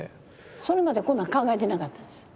それまでこんなん考えてなかったんです。